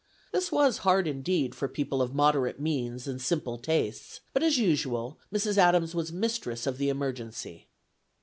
This was hard indeed for people of moderate means and simple tastes; but as usual, Mrs. Adams was mistress of the emergency.